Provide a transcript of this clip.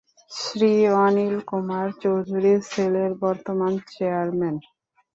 শ্রী অনিল কুমার চৌধুরী সেলের বর্তমান চেয়ারম্যান।